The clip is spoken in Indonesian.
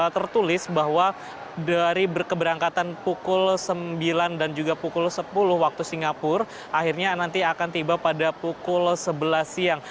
tertulis bahwa dari berkeberangkatan pukul sembilan dan juga pukul sepuluh waktu singapura akhirnya nanti akan tiba pada pukul sebelas siang